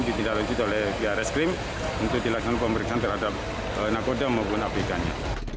ditindak lanjut oleh prs krim untuk dilaksanakan pemeriksaan terhadap nakoda maupun abikannya